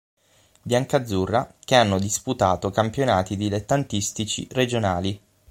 Biancazzurra, che hanno disputato campionati dilettantistici regionali.